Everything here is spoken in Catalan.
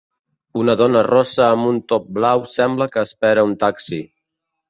Una dona rossa amb un top blau sembla que espera un taxi.